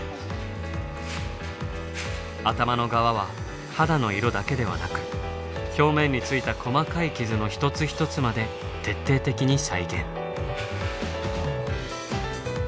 頭の側は肌の色だけではなく表面についた細かい傷の一つ一つまで徹底的に再現。